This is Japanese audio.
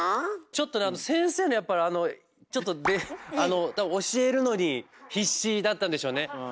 ちょっとねあの先生のやっぱりあのちょっとあの教えるのに必死だったんでしょうね。